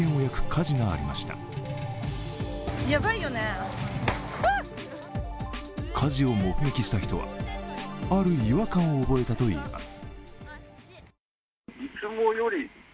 火事を目撃した人はある違和感を覚えたといいます。